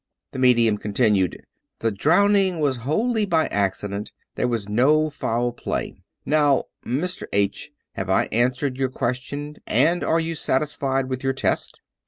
The medium continued: "The drowning was wholly an acci dent. There was no foul play. Now, Mr. H , have I answered your question, and are you satisfied with your test?"